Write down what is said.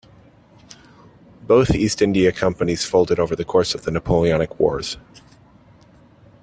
Both East India Companies folded over the course of the Napoleonic Wars.